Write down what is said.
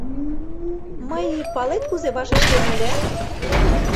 Мый, палет, кузе вашештем ыле?..